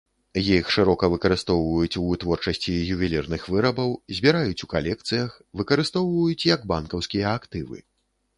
Іх шырока выкарыстоўваюць у вытворчасці ювелірных вырабаў, збіраюць у калекцыях, выкарыстоўваюць як банкаўскія актывы.